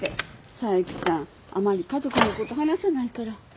佐伯さんあまり家族のこと話さないから。